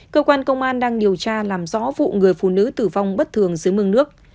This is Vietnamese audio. cơ quan công an đang điều tra làm rõ vụ người phụ nữ tử vong bất thường dưới mương nước